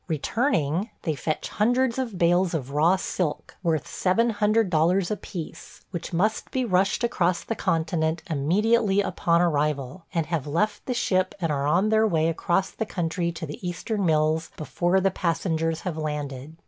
Returning, they fetch hundreds of bales of raw silk, worth $700 apiece, which must be rushed across the continent immediately upon arrival, and have left the ship and are on their way across the country to the Eastern mills before the passengers have landed.